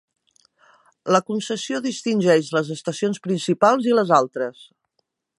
La concessió distingeix les estacions principals i les altres.